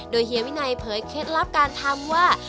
โดยเฮียวินัยเผยเคล็ดลับการทำว่า